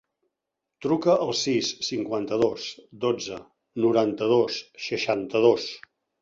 Truca al sis, cinquanta-dos, dotze, noranta-dos, seixanta-dos.